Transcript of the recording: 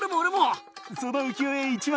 その浮世絵１枚下さい。